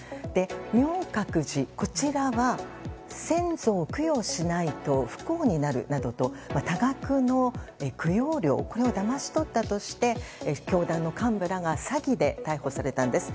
明覚寺、こちらは先祖を供養しないと不幸になると多額の供養料をだまし取ったとして教団の幹部らが詐欺で逮捕されたんです。